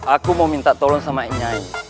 aku mau minta tolong sama nyai